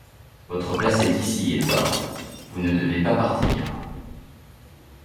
Votre place est ici, Edward, vous ne devez pas partir.